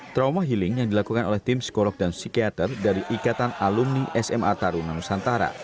trauma healing yang dilakukan oleh tim psikolog dan psikiater dari ikatan alumni sma taruna nusantara